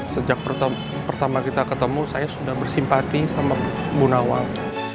sejak pertama kita ketemu saya sudah bersimpati sama munawang